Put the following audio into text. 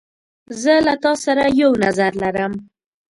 زه له تا سره یو نظر لرم.